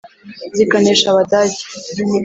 ‘ventral striatum